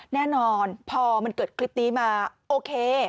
แน่นอนพอมันเกิดคลิปนี้มาโอเค